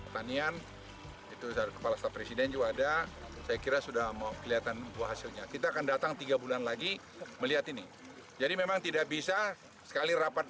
pemerintah pertanian dan kementerian pupr